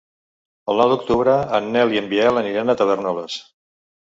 El nou d'octubre en Nel i en Biel aniran a Tavèrnoles.